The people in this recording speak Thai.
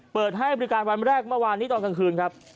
เปิดให้บริการวันแรกเมื่อวานนี้ตอนกลางคืนครับ